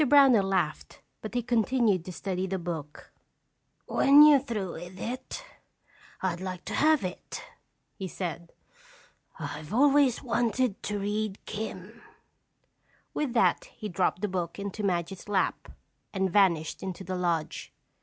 Brownell laughed but he continued to study the book. "When you're through with it, I'd like to have it," he said. "I've always wanted to read 'Kim'." With that he dropped the book into Madge's lap and vanished into the lodge.